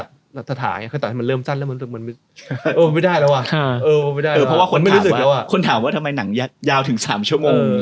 คนถามว่าทำไมนางยาวถึง๓ชั่วโมง